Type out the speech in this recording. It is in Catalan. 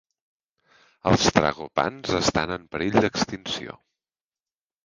Els tragopans estan en perill d'extinció.